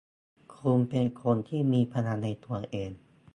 คุณเป็นคนที่มีพลังในตัวเอง